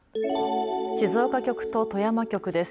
静岡局と富山局です。